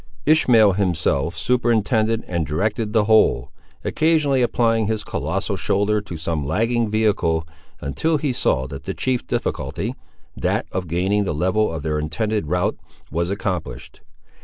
Ishmael himself superintended and directed the whole, occasionally applying his colossal shoulder to some lagging vehicle, until he saw that the chief difficulty, that of gaining the level of their intended route, was accomplished.